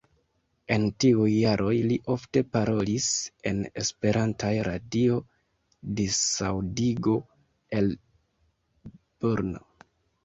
En tiuj jaroj li ofte parolis en esperantaj radio-disaŭdigo el Brno.